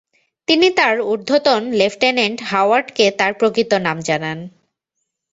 তিনি তাঁর ঊর্ধ্বতন লেফটেনেন্ট হাওয়ার্ড কে তাঁর প্রকৃত নাম জানান।